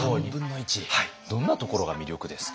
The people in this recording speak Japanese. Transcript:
どんなところが魅力ですか？